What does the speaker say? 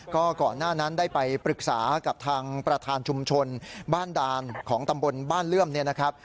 ก็ก่อนหน้านั้นได้ไปปรึกษากับทางประธานชุมชนบ้านดานของตำบลบ้านเลื่อมเนี่ยนะครับ